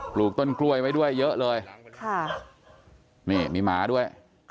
ลูกต้นกล้วยไว้ด้วยเยอะเลยค่ะนี่มีหมาด้วย